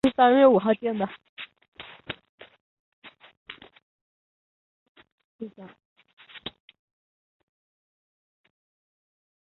多花溲疏为虎耳草科溲疏属下的一个变种。